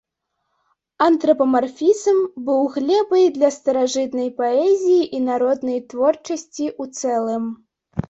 Антрапамарфізм быў глебай для старажытнай паэзіі і народнай творчасці ў цэлым.